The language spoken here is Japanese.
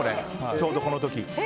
ちょうどこの時。